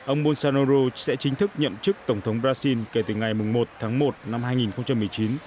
ông bussanoro sẽ chính thức nhậm chức tổng thống brazil kể từ ngày một tháng một năm hai nghìn một mươi chín